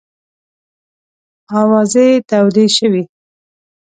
آوازې تودې شوې.